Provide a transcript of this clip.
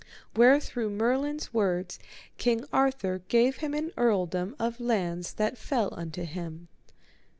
Wherethrough Merlin's words King Arthur gave him an earldom of lands that fell unto him.